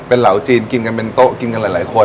เป็นเหล่าจีนกินกันเป็นโต๊ะกินกันหลายคน